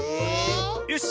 よし！